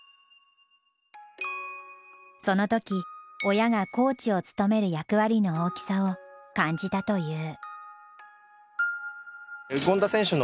その時親がコーチを務める役割の大きさを感じたという。